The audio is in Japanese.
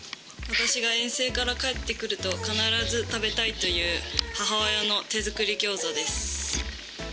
私が遠征から帰ってくると、必ず食べたいという母親の手作りギョーザです。